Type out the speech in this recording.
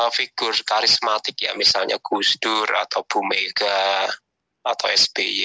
figur karismatik ya misalnya gus dur atau bu mega atau sby